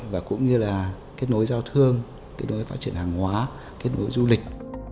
và cũng như là kết nối giao thương kết nối phát triển hàng hóa kết nối du lịch